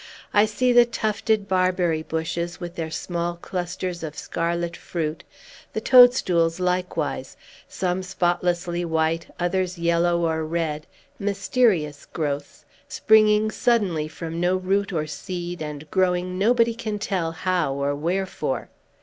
I see the tufted barberry bushes, with their small clusters of scarlet fruit; the toadstools, likewise, some spotlessly white, others yellow or red, mysterious growths, springing suddenly from no root or seed, and growing nobody can tell how or wherefore.